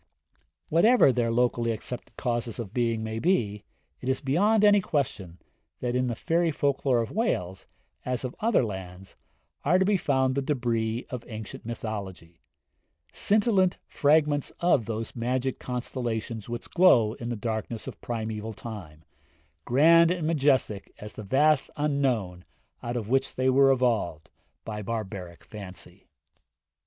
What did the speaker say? Whatever their locally accepted causes of being may be, it is beyond any question that in the fairy folk lore of Wales, as of other lands, are to be found the débris of ancient mythology scintillant fragments of those magic constellations which glow in the darkness of primeval time, grand and majestic as the vast Unknown out of which they were evolved by barbaric fancy.